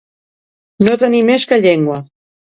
No tenir més que llengua.